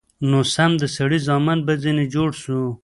نو سم د سړي زامن به ځنې جوړ سو.